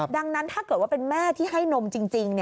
ดังนั้นถ้าเกิดว่าเป็นแม่ที่ให้นมจริง